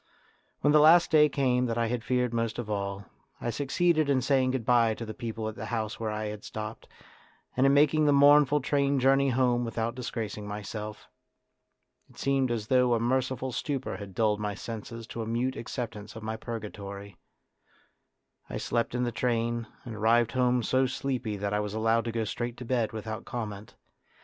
When the last day came that I had feared most of all, I succeeded in saying goodbye to the people at the house where I had stopped, and in making the mournful train journey home without disgracing myself. It seemed as though a merciful stupor had dulled my senses to a mute acceptance of my purgatory. I slept in the train, and arrived home so sleepy that I was allowed to go straight to bed without comment.